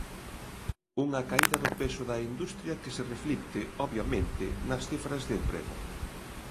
Unha caída do peso da industria que se reflicte, obviamente, nas cifras de emprego.